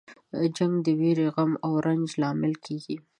جنګ د ویرې، غم او رنج لامل کیږي.